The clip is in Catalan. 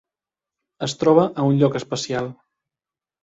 Es troba a un lloc especial.